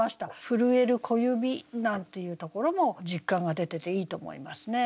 「震える子指」なんていうところも実感が出てていいと思いますね。